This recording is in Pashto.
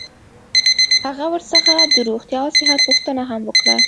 هغه ورڅخه د روغتیا او صحت پوښتنه هم وکړه.